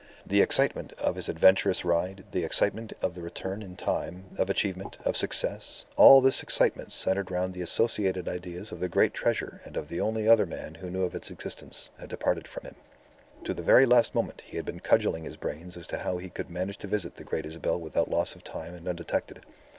The excitement of his adventurous ride, the excitement of the return in time, of achievement, of success, all this excitement centred round the associated ideas of the great treasure and of the only other man who knew of its existence, had departed from him. To the very last moment he had been cudgelling his brains as to how he could manage to visit the Great Isabel without loss of time and undetected.